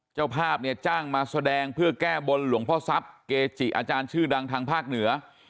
เจ้าภาพเนี่ยจ้างมาแสดงเพื่อแก้บนหลวงพ่อทรัพย์เกจิอาจารย์ชื่อดังทางภาคเหนือ